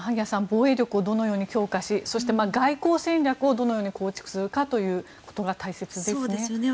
防衛力をどのように強化しそして外交戦略をどのように構築するかが大切ですね。